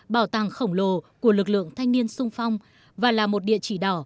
bảo tàng khổng lồ của lực lượng thanh niên sung phong và là một địa chỉ đỏ